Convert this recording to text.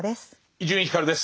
伊集院光です。